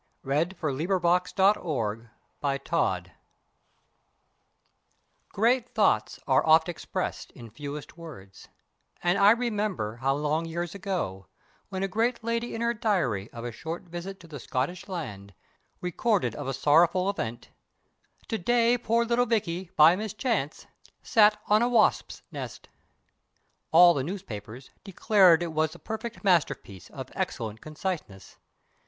oh, how sweet it is for some! MULTUM IN PARVO "Great thoughts are oft expressed in fewest words," And I remember how long years ago, When a great lady in her diary Of a short visit to the Scottish land, Recorded of a sorrowful event, "To day poor little Vicky, by mischance, Sat on a wasps' nest." All the newspapers Declared it was a perfect masterpiece Of excellent conciseness.